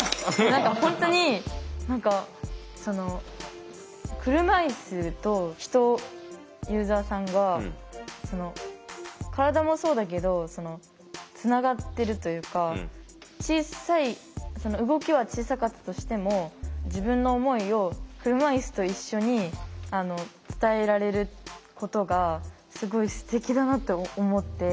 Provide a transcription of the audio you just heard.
何か本当に何かその車いすと人ユーザーさんが体もそうだけどつながってるというか小さい動きは小さかったとしても自分の思いを車いすと一緒に伝えられることがすごいすてきだなって思って。